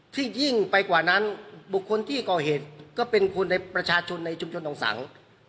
ยิ่งไปกว่านั้นบุคคลที่ก่อเหตุก็เป็นคนในประชาชนในชุมชนดองสัง